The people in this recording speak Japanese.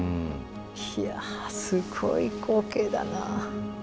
ひゃすごい光景だな。